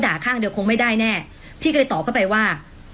ข้างเดียวคงไม่ได้แน่พี่เคยตอบเข้าไปว่า